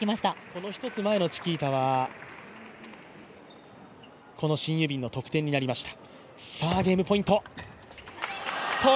この１つ前のチキータはこのシン・ユジンの得点になりました。